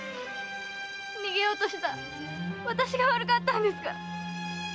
逃げようとした私が悪かったんですから。